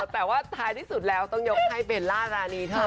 แต่ว่าท้ายที่สุดแล้วต้องยกให้เบลล่ารานีเธอ